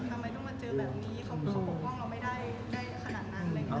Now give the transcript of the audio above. ทำไมต้องมาเจอแบบนี้เขาปกป้องเราไม่ได้ขนาดนั้น